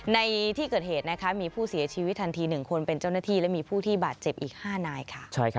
ในที่เกิดเหตุนะคะมีผู้เสียชีวิตทันที๑คนเป็นเจ้าหน้าที่และมีผู้ที่บาดเจ็บอีก๕นายค่ะ